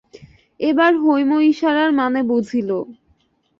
এবার হৈম ইশারার মানে বুঝিল।